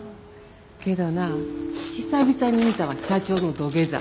けどな久々に見たわ社長の土下座。